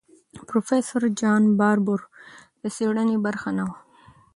پروفیسور جان باربور د څېړنې برخه نه وه.